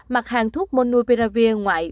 mặt hàng thuốc monopiravir ngoại